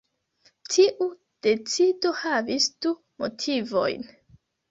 Tiu decido havis du motivojn.